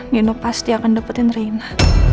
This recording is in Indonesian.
nino pasti akan dapetin raina